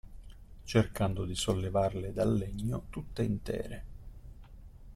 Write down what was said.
Cercando di sollevarle dal legno tutte intere.